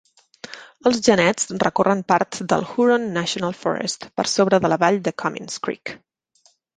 Els genets recorren parts del Huron National Forest per sobre de la vall de Comins Creek.